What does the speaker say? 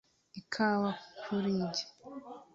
ikawa kuri njye